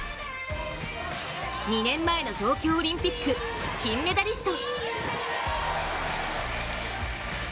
２年前の東京オリンピック金メダリスト。